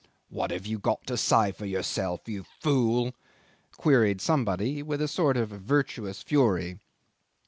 "What have you got to say for yourself, you fool?" queried somebody, with a sort of virtuous fury.